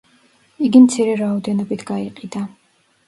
იგი მცირე რაოდენობით გაიყიდა.